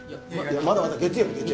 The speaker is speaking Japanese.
まだまだ月曜日月曜日